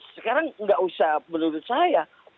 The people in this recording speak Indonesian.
sekarang nggak usah menurut saya